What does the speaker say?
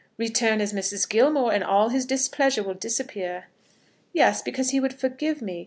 "Return as Mrs. Gilmore, and all his displeasure will disappear." "Yes, because he would forgive me.